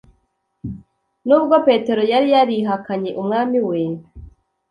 nubwo petero yari yarihakanye umwami we,